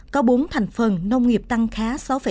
có bốn thành phần nông nghiệp tăng khá sáu bảy